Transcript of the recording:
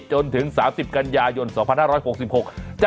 จนถึง๓๐กันยายน๒๕๖๖